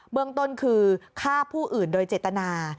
เมืองต้นคือฆ่าผู้อื่นโดยเจตนา